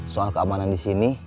soal keamanan di sini